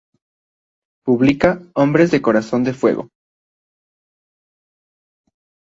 Publica "Hombres de corazón de fuego.